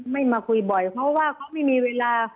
ไม่มาคุยบ่อยเพราะว่าเขาไม่มีเวลา